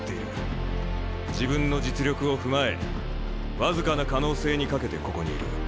自分の実力を踏まえ僅かな可能性に懸けてここにいる。